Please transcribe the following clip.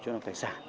chế độc tài sản